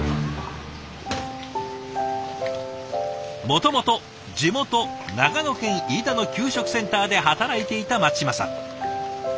もともと地元長野県飯田の給食センターで働いていた松島さん。